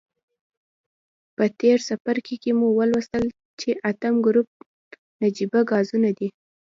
په تیر څپرکي کې مو ولوستل چې اتم ګروپ نجیبه غازونه دي.